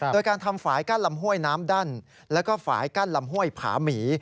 โดยการทำฝ่ายกั้นลำห้วยน้ำดั้นแล้วก็ฝ่ายกั้นลำห้วยผาหมี